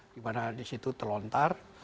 dimana di situ terlontar